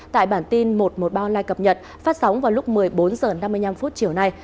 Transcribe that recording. gặp nhật phát sóng vào lúc một mươi bốn h năm mươi năm chiều nay